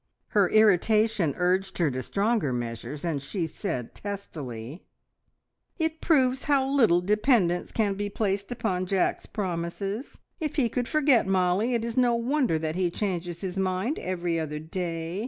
Her irritation urged her to stronger measures, and she said testily "It proves how little dependence can be placed upon Jack's promises. If he could forget Mollie, it is no wonder that he changes his mind every other day.